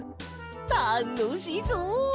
たのしそう！